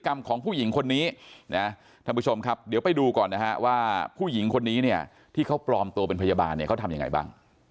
บ้าเหรอคะที่จะซื้อชุดพยาบาลมาใส่ถ้าคุณเก่งจริงคุณอย่า